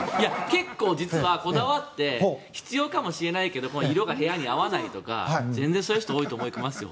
結構実はこだわって必要かもしれないけど色が部屋に合わないとか全然そういう人多いと思いますよ。